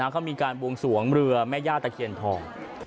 เขามีการวงส่วนเรือแม่ญาติระเขียนทอง